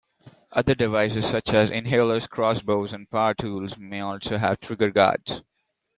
Other devices such as inhalers, crossbows and power tools may also have trigger guards.